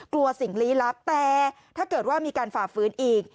กลัวสิ่งลี้ลับแต่ถ้าเกิดว่ามีการฝ่าฟื้นอีก